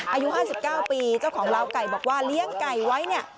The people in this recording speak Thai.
อายุ๕๙ปีเจ้าของลาวไก่บอกว่าเลี้ยงไก่ไว้เนี่ย